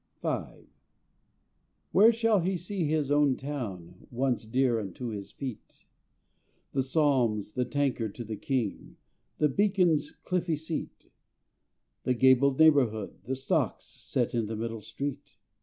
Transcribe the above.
V Where shall he see his own town Once dear unto his feet? The psalms, the tankard to the King, The beacon's cliffy seat, The gabled neighborhood, the stocks Set in the middle street?